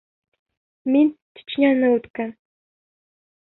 Мин Чечняны үткән.